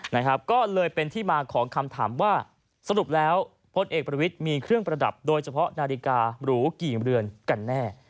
นะครับก็เลยเป็นที่มาของคำถามว่าสรุปแล้วพลเอกประวิทย์มีเครื่องประดับโดยเฉพาะนาฬิการูกี่เรือนกันแน่